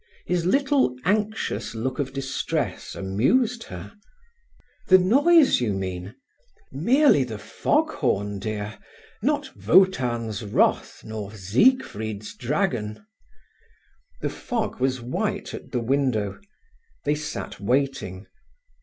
His little anxious look of distress amused her. "The noise, you mean? Merely the fog horn, dear—not Wotan's wrath, nor Siegfried's dragon…." The fog was white at the window. They sat waiting.